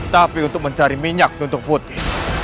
tapi untuk mencari minyak untuk putih